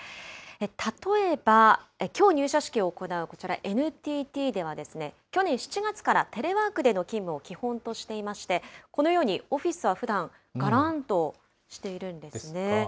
例えばきょう入社式を行うこちらＮＴＴでは、去年７月からテレワークでの勤務を基本としていまして、このようにオフィスはふだん、がらんとしているんですね。